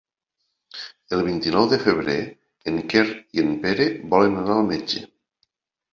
El vint-i-nou de febrer en Quer i en Pere volen anar al metge.